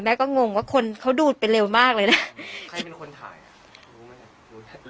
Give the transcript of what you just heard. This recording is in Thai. ก็งงว่าคนเขาดูดไปเร็วมากเลยนะใครเป็นคนถ่ายอ่ะรู้ไหม